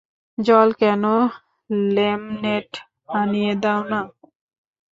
জল কেন, লেমনেড আনিয়ে দাও-না।